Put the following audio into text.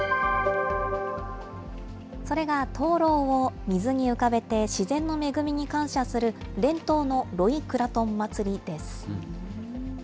それが灯籠を水に浮かべて自然の恵みに感謝する伝統のロイクラトン祭りです。